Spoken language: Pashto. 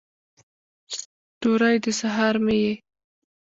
ستوری، د سحر مې یې